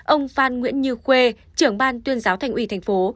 ông phan nguyễn như khuê trưởng ban tuyên giáo thành ủy tp